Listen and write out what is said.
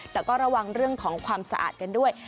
แต่ก็ระวังเรื่องของความสะอาดกันด้วย